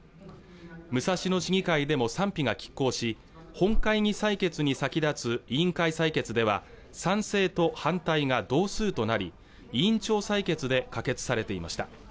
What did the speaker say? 武蔵野市議会でも賛否が拮抗し本会議採決に先立つ委員会採決では賛成と反対が同数となり委員長採決で可決されていました